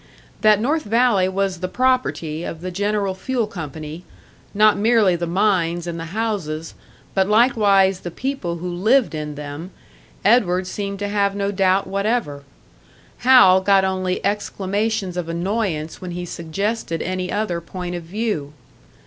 That North Valley was the property of the General Fuel Company not merely the mines and the houses, but likewise the people who lived in them Edward seemed to have no doubt whatever; Hal got only exclamations of annoyance when he suggested any other point of view.